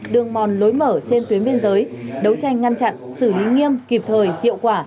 đường mòn lối mở trên tuyến biên giới đấu tranh ngăn chặn xử lý nghiêm kịp thời hiệu quả